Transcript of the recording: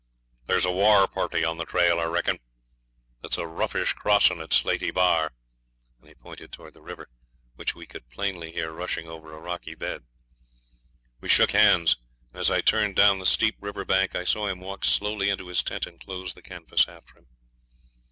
'Thar's a war party on the trail, I reckon. It's a roughish crossing at Slatey Bar,' and he pointed towards the river, which we could plainly hear rushing over a rocky bed. We shook hands, and as I turned down the steep river bank I saw him walk slowly into his tent and close the canvas after him.